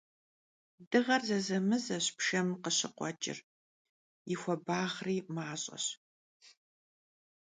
Dığer zezemızeş pşşem khızerıkhueç'ır, yi xuabağri maş'eş.